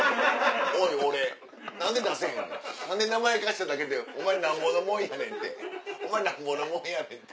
おい俺何で出せへんねん何で名前貸しただけでお前なんぼのもんやねんってお前なんぼのもんやねんって。